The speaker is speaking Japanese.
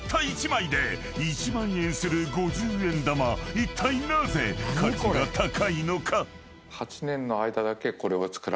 ［いったいなぜ価値が高いのか？］